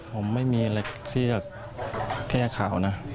ผมไม่มีอะไรที่จะแก้ข่าวนะ